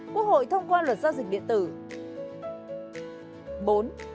quốc hội thông qua luật giao dịch điện tử